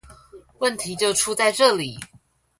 問題就出在這裡